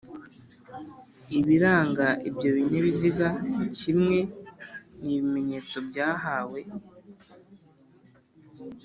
ibiranga ibyo binyabiziga kimwe n ibimenyetso byahawe